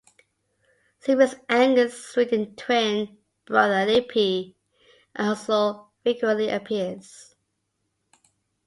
Zippy's angst-ridden twin brother Lippy also frequently appears.